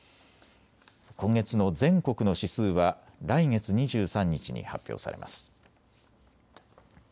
今月の全国の指数は来月２３日に発表されます。